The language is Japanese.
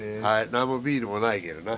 何もビールもないけどな。